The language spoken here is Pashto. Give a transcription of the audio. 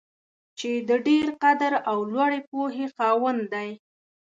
چې د ډېر قدر او لوړې پوهې خاوند دی.